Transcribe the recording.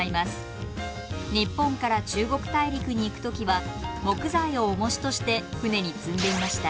日本から中国大陸に行く時は木材を重しとして船に積んでいました。